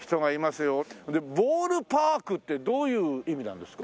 ボールパークってどういう意味なんですか？